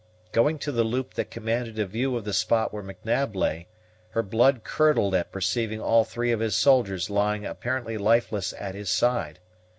Going to the loop that commanded a view of the spot where M'Nab lay, her blood curdled at perceiving all three of his soldiers lying apparently lifeless at his side.